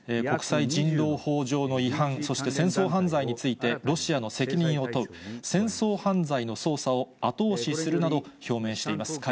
国際人道法上の違反、そして戦争犯罪について、ロシアの責任を問う、戦争犯罪の捜査を後押しするなど、表明しています。